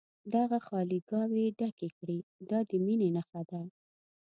دغه خالي ګاوې ډکې کړي دا د مینې نښه ده.